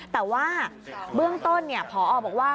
แต่ว่าเบื้องต้นพอบอกว่า